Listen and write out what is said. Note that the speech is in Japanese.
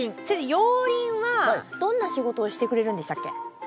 先生熔リンはどんな仕事をしてくれるんでしたっけ？